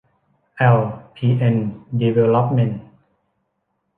แอล พี เอ็น ดีเวลลอปเมนท์